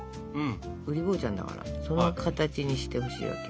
うり坊ちゃんだからその形にしてほしいわけ。